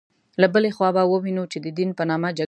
له بلې خوا به ووینو چې د دین په نامه جګړې شوې.